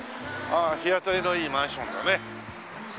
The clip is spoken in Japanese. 日当たりのいいマンションだね。